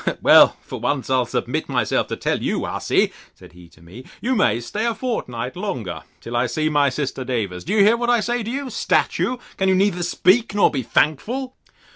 —Well, for once, I'll submit myself to tell you, hussy, said he to me, you may stay a fortnight longer, till I see my sister Davers: Do you hear what I say to you, statue? Can you neither speak nor be thankful?